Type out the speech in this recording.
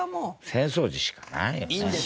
浅草寺しかないよね。